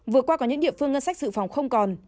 vừa qua có những địa phương ngân sách sự phòng không còn